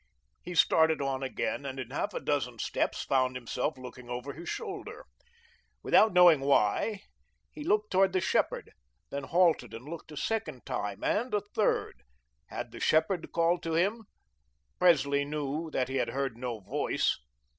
He started on again, and in half a dozen steps found himself looking over his shoulder. Without knowing why, he looked toward the shepherd; then halted and looked a second time and a third. Had the shepherd called to him? Presley knew that he had heard no voice.